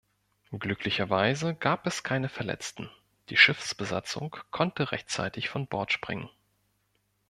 Glücklicherweise gab es keine Verletzten, die Schiffsbesatzung konnte rechtzeitig von Bord springen.